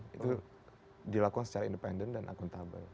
itu dilakukan secara independen dan akuntabel